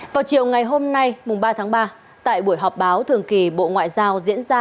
vào chiều ngày hôm nay mùng ba tháng ba tại buổi họp báo thường kỳ bộ ngoại giao diễn ra